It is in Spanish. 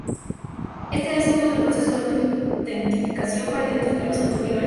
Éste hace uso del proceso de autenticación para identificar a los consumidores.